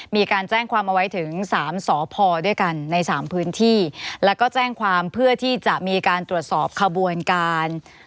มีการแจ้งความเอาไว้ถึงสามสพด้วยกันในสามพื้นที่แล้วก็แจ้งความเพื่อที่จะมีการตรวจสอบขบวนการ